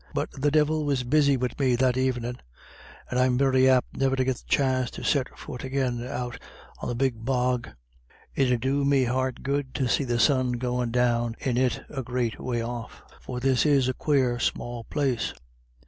But the Divil was busy wid me that evenin'. And I'm very apt never to get the chance to set fut again out on the big bog. It 'ud do me heart good to see the sun goin' down in it a great way off, for this is a quare small place.